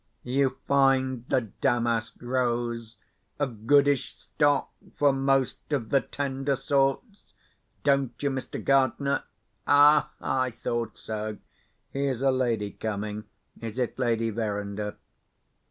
You find the damask rose a goodish stock for most of the tender sorts, don't you, Mr. Gardener? Ah! I thought so. Here's a lady coming. Is it Lady Verinder?"